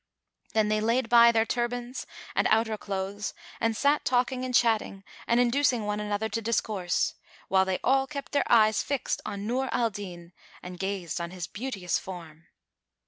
Then they laid by their turbands and outer clothes and sat talking and chatting and inducing one another to discourse, while they all kept their eyes fixed on Nur al Din and gazed on his beauteous form.